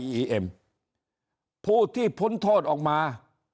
ถ้าท่านผู้ชมติดตามข่าวสาร